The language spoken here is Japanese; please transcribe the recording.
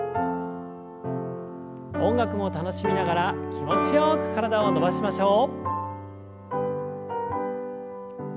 音楽も楽しみながら気持ちよく体を伸ばしましょう。